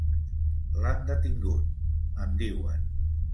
L'han detingut —em diuen.